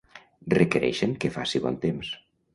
requereixen que faci bon temps